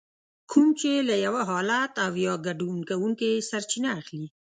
کوم چې له يو حالت او يا ګډون کوونکي سرچينه اخلي.